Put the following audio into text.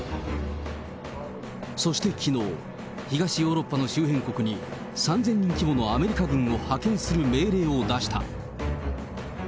そしてきのう、東ヨーロッパの周辺国に、３０００人規模のアメリカ軍を派遣する命令を出した。